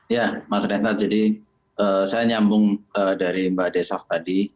ya mas rentan jadi saya nyambung dari mbak desaf tadi